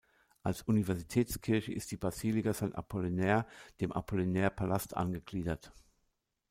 Als Universitätskirche ist die Basilika Sant’Apollinare dem Apollinare-Palast angegliedert.